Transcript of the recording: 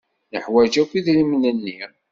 Neḥwaj akk idrimen-nni.